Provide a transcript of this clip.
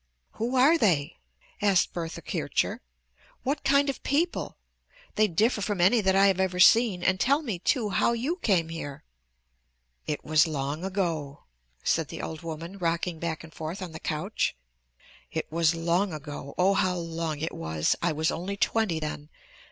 "Who are they " asked Bertha Kircher, "what kind of people? They differ from any that I ever have seen. And tell me, too, how you came here." "It was long ago," said the old woman, rocking back and forth on the couch. "It was long ago. Oh, how long it was! I was only twenty then.